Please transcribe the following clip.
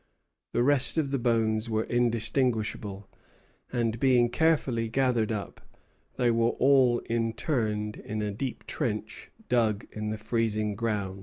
The rest of the bones were undistinguishable; and, being carefully gathered up, they were all interred in a deep trench dug in the freezing ground.